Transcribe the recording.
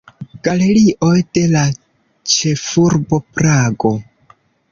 Galerio de la Ĉefurbo Prago.